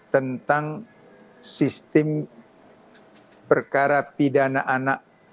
tentang sistem perkara pidana anak